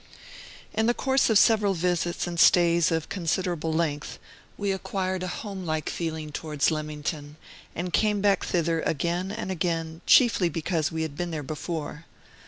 In the course of several visits and stays of considerable length we acquired a homelike feeling towards Leamington, and came back thither again and again, chiefly because we had been there before.